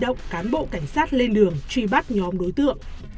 cảm ơn các cán bộ cảnh sát lên đường truy bắt nhóm đối tượng